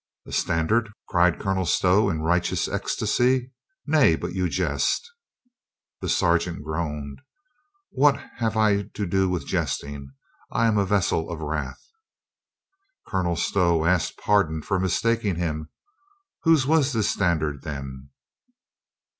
"A standard!" cried Colonel Stow in righteous ecstasy. "Nay, but you jest." The sergeant groaned. "What have I to do with jesting? I am a vessel of wrath." Colonel Stow asked pardon for mistaking him. "Whose was this standard, then?"